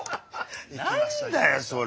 何だよそれ。